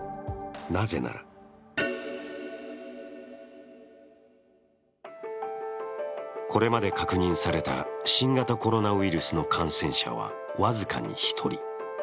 なぜならこれまで確認された新型コロナウイルスの感染者は僅かに１人。